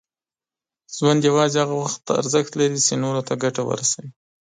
ژوند یوازې هغه وخت ارزښت لري، چې نور ته ګټه ورسوي.